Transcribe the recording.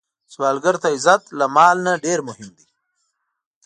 سوالګر ته عزت له مال نه ډېر مهم دی